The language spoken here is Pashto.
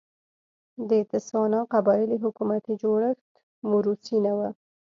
د تسوانا قبایلي حکومتي جوړښت موروثي نه و.